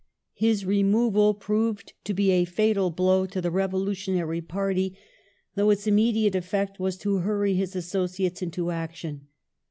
His removal proved to be a fatal blow to the revolu tionary party, though its immediate effect was to huny his associates into action.